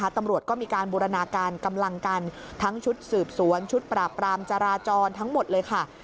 ตำรวจก็มีการบูรณาการกำลังกันทั้งชุดสืบสวนชุดปราบรามจราจรทั้งหมดเลยค่ะ